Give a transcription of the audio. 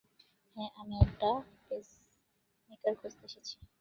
হ্যাঁ, আমি একটা পেসমেকার খুঁজতে এসেছি।